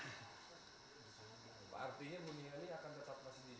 muningannya akan tetap masih menjadi pemeriksaan